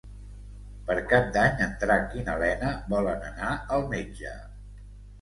Per Cap d'Any en Drac i na Lena volen anar al metge.